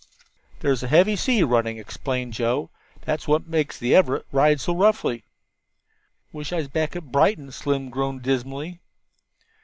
"There's a heavy sea running," explained Joe; "that's what makes the Everett ride so roughly." "Wish I was back at Brighton," Slim groaned dismally.